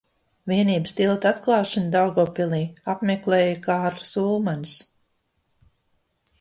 Vienības tilta atklāšanu Daugavpilī apmeklēja Kārlis Ulmanis.